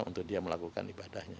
untuk dia melakukan ibadahnya